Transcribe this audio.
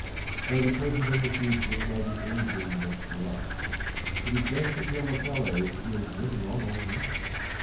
Though the present and the future may be anything but bright. It is best to tell the fellows that you're getting on all right.